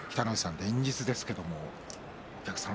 連日ですけれども、お客さん